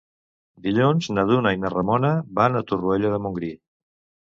Dilluns na Duna i na Ramona van a Torroella de Montgrí.